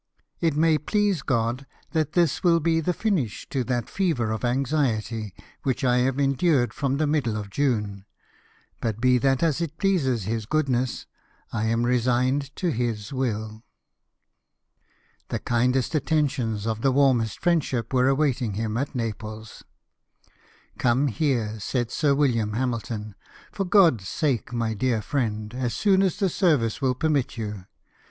It may please God that this will be the finish to that fever of anxiety which I have endured from the middle of June ; but be that as it pleases His goodness, I am resigned to His will." The kindest attentions of the warmest friendship were awaiting him at Naples. " Come here," said Sir William Hamilton, " for God's sake, my dear friend, as soon as the service will permit you.